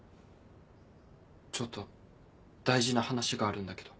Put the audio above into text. ちょっと大事な話があるんだけど。